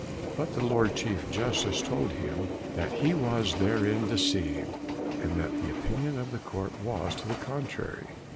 But the Lord Chief Justice told him, That he was therein deceived, and that the opinion of the Court was to the contrary.